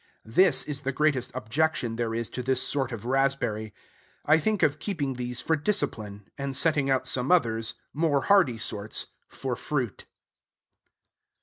This is the greatest objection there is to this sort of raspberry. I think of keeping these for discipline, and setting out some others, more hardy sorts, for fruit.